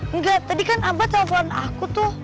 enggak tadi kan abah telfon aku tuh